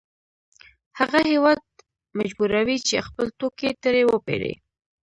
هغه هېواد مجبوروي چې خپل توکي ترې وپېري